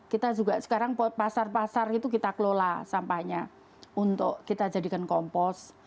kita juga sekarang pasar pasar itu kita kelola sampahnya untuk kita jadikan kompos